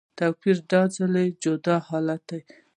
تیر ځل جدا حالت و